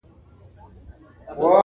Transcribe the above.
مخ یې ونیوی د نیل د سیند پر لوري!